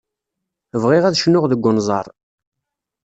Bɣiɣ ad cnuɣ deg unẓar.